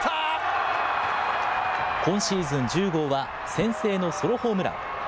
今シーズン１０号は先制のソロホームラン。